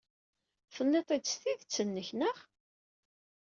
Tenniḍ-t-id s tidet-nnek, naɣ?